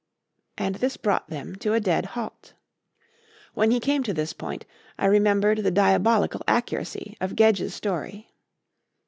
And this brought them to a dead halt. When he came to this point I remembered the diabolical accuracy of Gedge's story.